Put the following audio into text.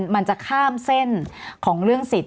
มันจะข้ามเส้นของเรื่องสิทธิ